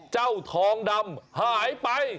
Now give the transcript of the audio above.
เจ้าทองดำหายไป